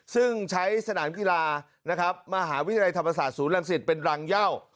ซึ่งใช้สนามกีฬานะครับมหาวิทยาลัยธรรมศาสตร์ศูนย์รังสิตเป็นรังเย่า